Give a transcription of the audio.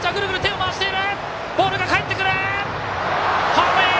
ホームイン！